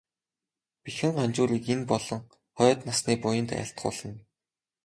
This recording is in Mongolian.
Бэхэн Ганжуурыг энэ болон хойд насны буянд айлтгуулна.